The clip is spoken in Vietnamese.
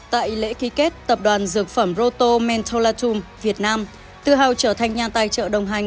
tại lễ ký kết tập đoàn dược phẩm roto mentholatum việt nam tự hào trở thành nhà tài trợ đồng hành